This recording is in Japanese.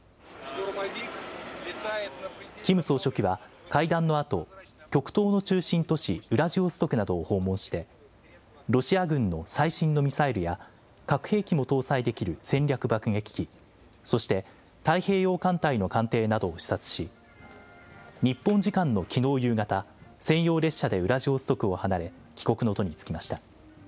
キム総書記は会談のあと、極東の中心都市ウラジオストクなどを訪問して、ロシア軍の最新のミサイルや、核兵器も搭載できる戦略爆撃機、そして、太平洋艦隊の艦艇などを視察し、日本時間のきのう夕方、専用列車でウラジオストクを離れ、帰国の途に就きました。